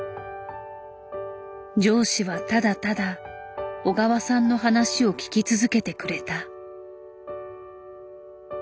上司はただただ小川さんの話を聞き続けてくれた。